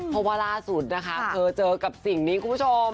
ทวัลล่าสุดเธอเจอกับสิ่งนี้คุณผู้ชม